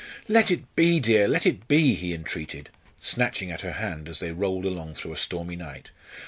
"Let it be, dear, let it be!" he entreated, snatching at her hand as they rolled along through a stormy night.